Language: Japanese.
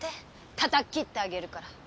叩っ斬ってあげるから！